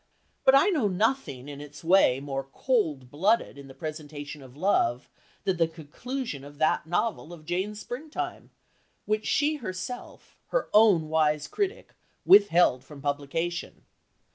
But I know nothing, in its way, more cold blooded in the presentation of "love" than the conclusion of that novel of Jane's springtime, which she herself, her own wise critic, withheld from publication.